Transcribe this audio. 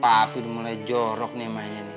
tapi udah mulai jorok nih mainnya nih